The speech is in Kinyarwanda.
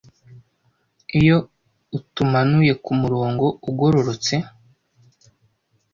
iyo utumanuye kumurongo ugororotse